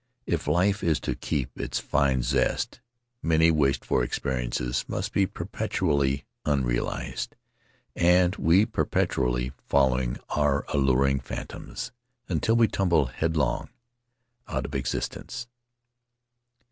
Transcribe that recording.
If life is to keep its fine zest many wished f or experiences must be perpetually unrealized, and we perpetually following our alluring phantoms until we tumble head long out of existence.